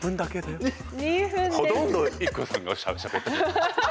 ほとんどＩＫＫＯさんがしゃべってた。